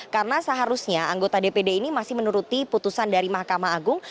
karena seharusnya anggota dpd ini masih menuruti putusan dari mahkamah agung